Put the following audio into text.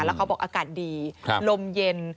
แล้วเขาบอกอากาศดีลมเย็น